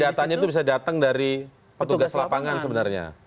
jadi datanya itu bisa datang dari petugas lapangan sebenarnya